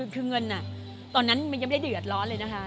คือเงินตอนนั้นมันยังไม่ได้เดือดร้อนเลยนะคะ